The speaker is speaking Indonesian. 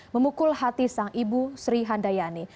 memukul hati sang ibu sri handayani